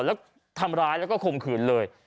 แล้วทำร้ายแล้วก็ข่มขืนเลย